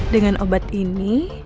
dengan obat ini